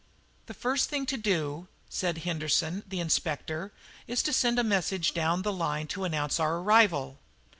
"The first thing to do," said Henderson the Inspector, "is to send a message down the line to announce our arrival."